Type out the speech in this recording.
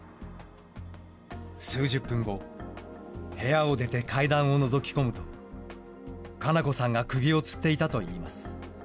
数十分後、部屋を出て階段をのぞき込むと、佳菜子さんが首をつっていたといいます。